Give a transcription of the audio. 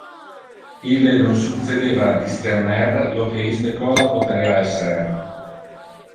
Ille non succedeva a discerner lo que iste cosa poterea esser.